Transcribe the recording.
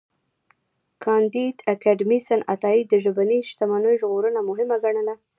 کانديد اکاډميسن عطايی د ژبني شتمنیو ژغورنه مهمه ګڼله.